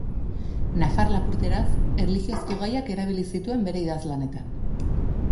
Nafar-lapurteraz, erlijiozko gaiak erabili zituen bere idazlanetan.